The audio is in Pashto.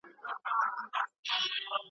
د خپل قسمت سره په جنګ را وزم .